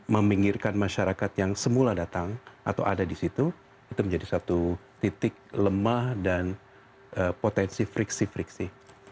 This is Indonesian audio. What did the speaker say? meminggirkan masyarakat yang semula datang atau ada di situ itu menjadi satu titik lemah dan potensi friksi friksi